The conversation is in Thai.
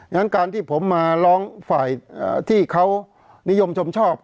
งั้นการที่ผมมาร้องฝ่ายที่เขานิยมชมชอบ